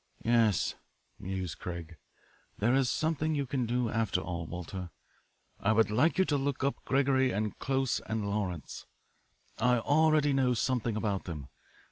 "Yes," mused Craig, "there is something you can do, after all, Walter. I would like you to look up Gregory and Close and Lawrence. I already know something about them.